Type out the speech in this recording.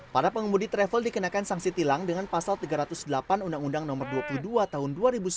para pengemudi travel dikenakan sanksi tilang dengan pasal tiga ratus delapan undang undang no dua puluh dua tahun dua ribu sembilan